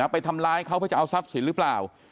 ไปทำร้ายเขาเพื่อจะเอาทรัพย์สินหรือเปล่า